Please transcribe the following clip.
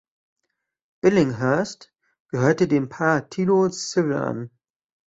Billinghurst gehörte dem Partido Civil an.